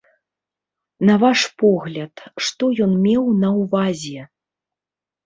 На ваш погляд, што ён меў на ўвазе?